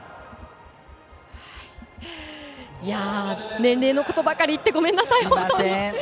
年齢のことばかり言ってごめんなさい。